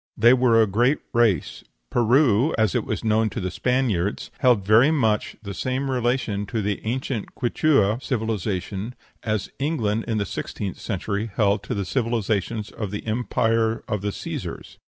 They were a great race. Peru, as it was known to the Spaniards, held very much the same relation to the ancient Quichua civilization as England in the sixteenth century held to the civilization of the empire of the Cæsars.